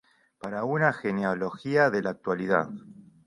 Para una genealogía de la actualidad".